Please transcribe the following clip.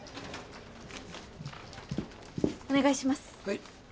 お願いします。